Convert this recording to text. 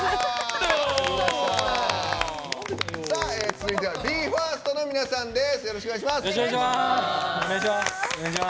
続いてはＢＥ：ＦＩＲＳＴの皆さんです。